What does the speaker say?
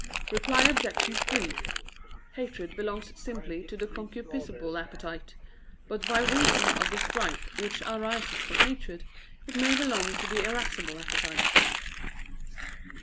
Reply Obj. 3: Hatred belongs simply to the concupiscible appetite: but by reason of the strife which arises from hatred, it may belong to the irascible appetite.